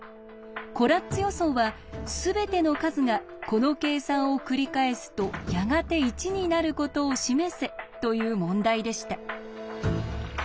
コラッツ予想はすべての数がこの計算をくりかえすとやがて１になることを示せという問題でした。